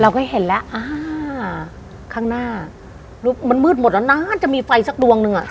เราก็เห็นละข้างหน้ามันมืดหมดแล้วนะน่าจะมีไฟสักดวงนึง